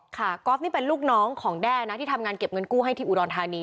ก๊อฟนี่เป็นลูกน้องของแด้นะที่ทำงานเก็บเงินกู้ให้ที่อุดรธานี